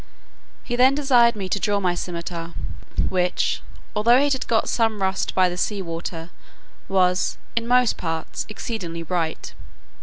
He then desired me to draw my scimitar, which, although it had got some rust by the sea water, was, in most parts, exceeding bright.